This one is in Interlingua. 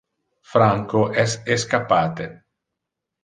Franco es escappate.